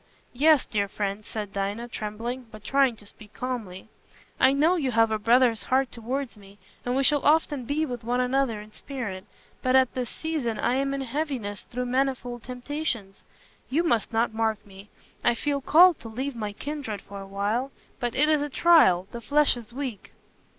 "Yes, dear friend," said Dinah, trembling, but trying to speak calmly, "I know you have a brother's heart towards me, and we shall often be with one another in spirit; but at this season I am in heaviness through manifold temptations. You must not mark me. I feel called to leave my kindred for a while; but it is a trial—the flesh is weak."